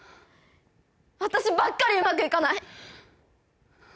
私ばっかりうまくいかない！